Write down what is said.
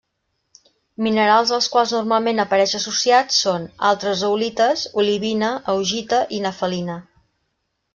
Minerals als quals normalment apareix associat són: altres zeolites, olivina, augita i nefelina.